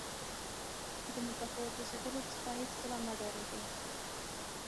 د متفاوت اوسېدلو څخه هېڅکله مه ډارېږئ.